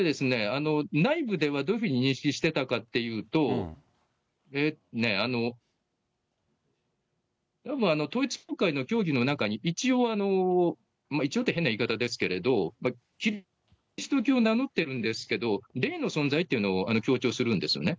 内部ではどういうふうに認識してたかっていうと、統一教会の教義の中に、一応、一応って変な言い方ですけど、キリスト教を名乗っているんですけれども、霊の存在っていうのを強調するんですよね。